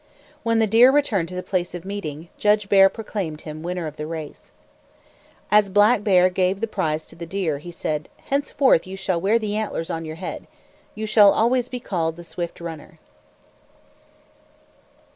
When the deer returned to the place of meeting, Judge Bear proclaimed him winner of the race. As Black Bear gave the prize to the deer, he said, "Henceforth you shall wear the antlers on your head. You shall always be called the Swift Runner."